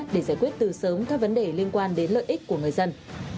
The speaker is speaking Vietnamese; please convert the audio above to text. để giải quyết từ sớm các vấn đề liên quan đến lợi ích của người dân